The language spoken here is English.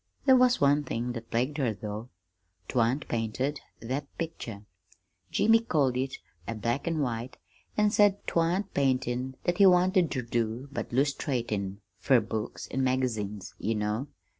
There was one thing that plagued her, though: 'twan't painted that picture. Jimmy called it a 'black an' white,' an' said 'twan't paintin' that he wanted ter do, but 'lustratin' fer books and magazines, you know.